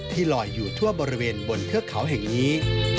ลอยอยู่ทั่วบริเวณบนเทือกเขาแห่งนี้